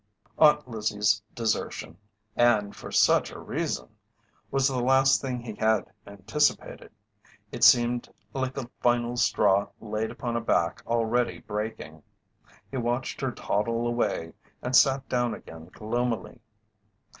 Aunt Lizzie's desertion, and for such a reason, was the last thing he had anticipated. It seemed like the final straw laid upon a back already breaking. He watched her toddle away, and sat down again gloomily.